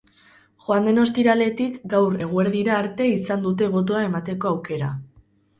Joan den ostiraletik gaur eguerdira arte izan dute botoa emateko aukera.